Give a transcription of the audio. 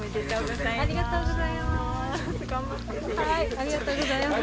ありがとうございます。